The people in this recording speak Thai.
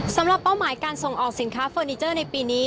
เป้าหมายการส่งออกสินค้าเฟอร์นิเจอร์ในปีนี้